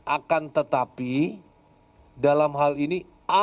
akan tetapi dalam hal ini